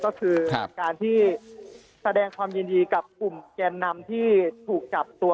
ก็คือการที่แสดงความยินดีกับกลุ่มแกนนำที่ถูกจับตัว